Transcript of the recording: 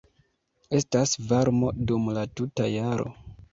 Estas varmo dum la tuta jaro.